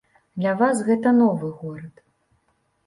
Для вас гэта новы горад.